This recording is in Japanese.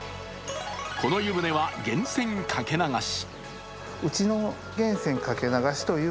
この湯船は源泉かけ流し。